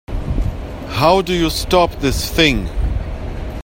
How do you stop this thing?